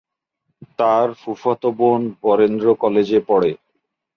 তার ফুফাতো বোন বরেন্দ্র কলেজে পড়ে।